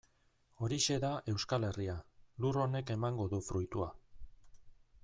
Horixe da Euskal Herria, lur honek emango du fruitua.